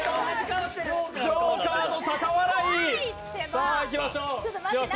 さあ、いきましょう。